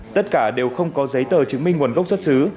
tất cả đều không có giấy tờ chứng minh nguồn gốc xuất xứ